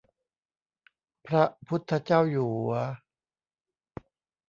พระพุทธเจ้าอยู่หัว